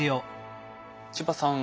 千葉さん